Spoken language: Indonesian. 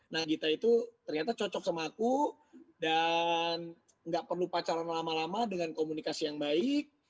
nah gita itu ternyata cocok sama aku dan nggak perlu pacaran lama lama dengan komunikasi yang baik